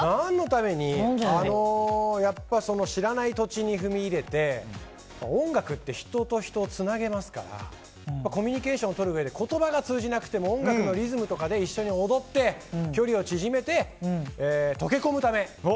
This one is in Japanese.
やっぱり知らない土地に踏み入れて音楽って人と人をつなげますからコミュニケーションをとるうえで言葉が通じなくても音楽のリズムとかで一緒に踊って距離を縮めて、溶け込むため。